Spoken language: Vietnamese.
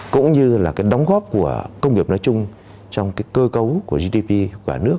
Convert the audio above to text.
cũng như là đóng góp của công nghiệp nói chung trong cơ cấu của gdp của nước